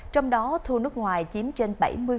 trong đó thu nước ngoài chiếm trên